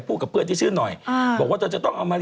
ไปที่โรงพยาบาลโรงพยาบาล